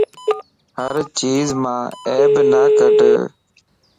ھر چيز مان عيب نه ڪڍ